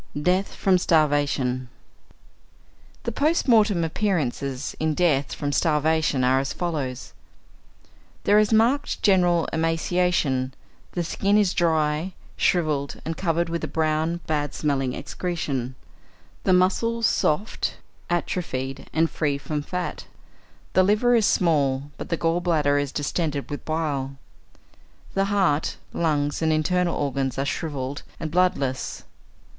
DEATH FROM STARVATION The post mortem appearances in death from starvation are as follows: There is marked general emaciation; the skin is dry, shrivelled, and covered with a brown, bad smelling excretion; the muscles soft, atrophied, and free from fat; the liver is small, but the gall bladder is distended with bile. The heart, lungs, and internal organs are shrivelled and bloodless.